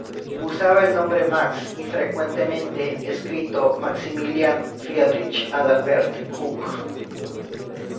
Usaba el nombre "Max," y frecuentemente escrito "Maximilian Friedrich Adalbert Kuhn.